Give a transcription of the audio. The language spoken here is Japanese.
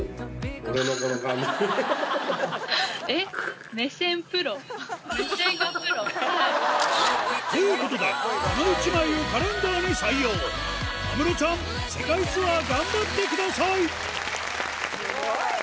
俺のこの感じ。ということでこの１枚をカレンダーに採用有夢路ちゃん世界ツアー頑張ってくださいスゴい！